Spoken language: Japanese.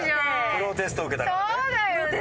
プロテスト受けたからね。